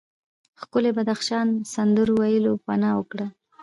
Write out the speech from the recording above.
ښکلي بدخشان سندرو ویلو بنا وکړه.